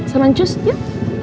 salam natuurlijk yuk